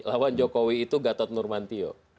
lawan jokowi itu gatot nurmantio